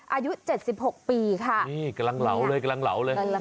อายุ๗๖ปีค่ะนี่กำลังเหลาเลยกำลังเหลาเลย